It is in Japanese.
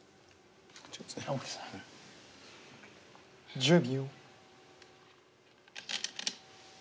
１０秒。